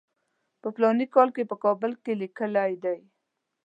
په فلاني کال کې په کابل کې لیکلی دی.